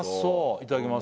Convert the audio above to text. いただきます